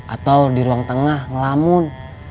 atau di ruang tengah ngelamun